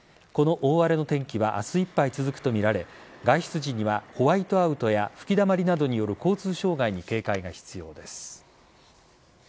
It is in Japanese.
この大荒れの天気は明日いっぱい続くとみられ外出時にはホワイトアウトや吹きだまりなどによる交通障害に警戒が必要です。